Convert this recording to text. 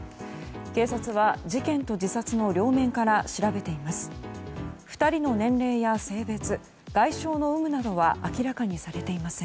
警察は事件と自殺の両面から調べています。